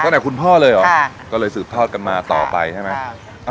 ตั้งแต่คุณพ่อเลยเหรอค่ะก็เลยสืบทอดกันมาต่อไปใช่ไหมค่ะ